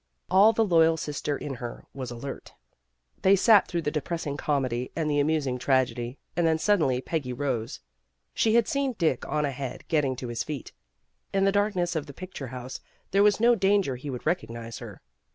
All the loyal sister in her was alert. They sat through the depressing comedy and the amusing tragedy, and then suddenly Peggy rose. She had seen Dick on ahead getting to his feet. In the darkness of the picture house there was no danger he would recognize her.